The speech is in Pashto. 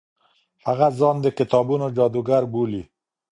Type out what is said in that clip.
هغه ځان د کتابونو جادوګر بولي.